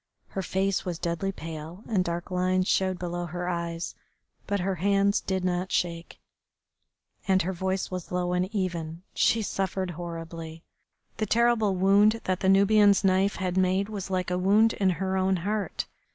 Her face was deadly pale, and dark lines showed below her eyes, but her hands did not shake, and her voice was low and even. She suffered horribly. The terrible wound that the Nubian's knife had made was like a wound in her own heart.